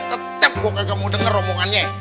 tetep gue kagak mau denger omongannya